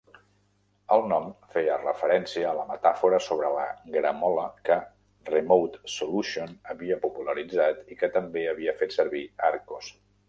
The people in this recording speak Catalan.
El nom feia referència a la metàfora sobre la gramola que "Remote Solution" havia popularitzat i que també havia fet servir "Archos".